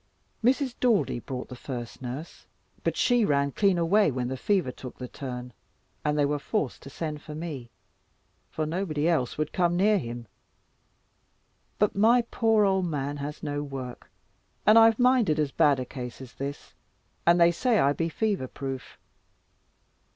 Mrs. Daldy brought the first nurse, but she ran clean away when the fever took the turn; and they were forced to send for me, for nobody else would come near him. But my poor old man has no work, and I've minded as bad a case as this, and they say I be fever proof.